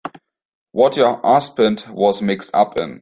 What your husband was mixed up in.